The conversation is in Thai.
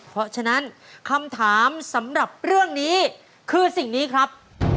เพราะฉะนั้นคำถามสำหรับเรื่องนี้คือสิ่งนี้ครับ